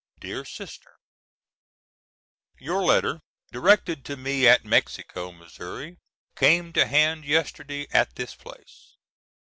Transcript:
DEAR SISTER: Your letter directed to me at Mexico, Missouri came to hand yesterday at this place.